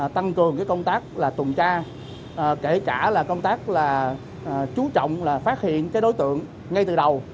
tăng cường công tác tùn tra kể cả công tác chú trọng phát hiện đối tượng ngay từ đầu